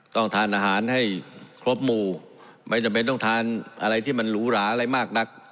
ต้องทานอาหารให้ครบหมู่ไม่จำเป็นต้องทานอะไรที่มันหรูหราอะไรมากนัก